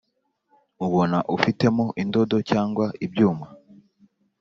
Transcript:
ubona ufitemo indodo cyangwa ibyuma